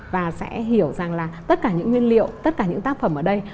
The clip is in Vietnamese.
và sẽ hiểu rằng là tất cả những nguyên liệu tất cả những tác phẩm ở đây